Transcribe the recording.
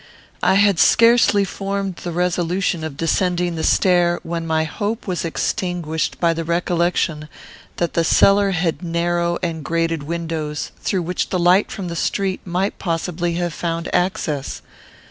I had scarcely formed the resolution of descending the stair, when my hope was extinguished by the recollection that the cellar had narrow and grated windows, through which light from the street might possibly have found access.